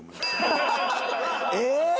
えっ！？